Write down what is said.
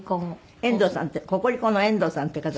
遠藤さんってココリコの遠藤さんっていう方。